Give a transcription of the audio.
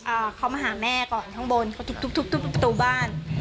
อ่าเขามาหาแม่ก่อนข้างบนเขาทุบตุ๊ทุบตุ๊บประตูบ้าน